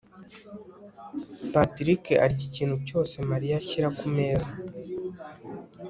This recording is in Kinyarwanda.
patrick arya ikintu cyose mariya ashyira kumeza